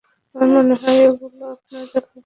আমার মনে হয় এগুলো আপনার দেখা উচিৎ!